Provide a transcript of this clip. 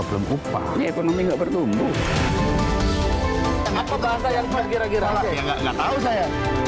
gak tau saya